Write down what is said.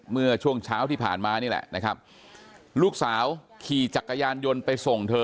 เมื่อช่วงเช้าที่ผ่านมานี่แหละนะครับลูกสาวขี่จักรยานยนต์ไปส่งเธอ